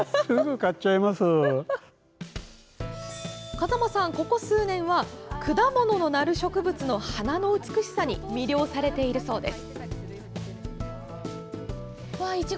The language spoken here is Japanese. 風間さん、ここ数年は果物のなる植物の花の美しさに魅了されているそうです。